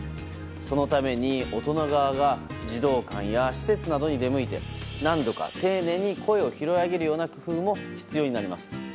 そのために、大人側が児童館や施設などに出向いて何度か丁寧に声を拾い上げるような工夫も必要になります。